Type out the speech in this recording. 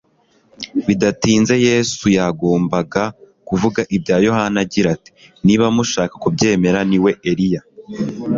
Bidatinze Yesu yagombaga kuvuga ibya Yohana agira ati : "Niba mushaka kubyemera niwe Eliya